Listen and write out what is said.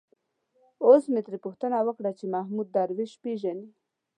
اوس مې ترې پوښتنه وکړه چې محمود درویش پېژني.